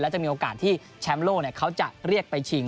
จะมีโอกาสที่แชมป์โลกเขาจะเรียกไปชิง